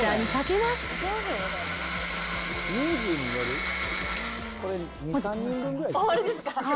終わりですか？